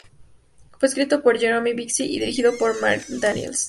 Fue escrito por Jerome Bixby y dirigido por Marc Daniels.